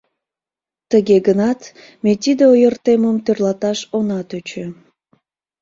Тыге гынат ме тиде ойыртемым тӧрлаташ она тӧчӧ.